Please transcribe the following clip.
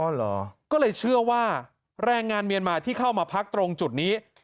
ก็เลยเชื่อว่าแรงงานเมียนมาที่เข้ามาพักตรงจุดนี้